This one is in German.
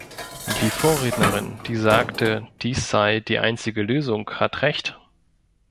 Die Vorrednerin, die sagte, dies sei die einzige Lösung, hat Recht.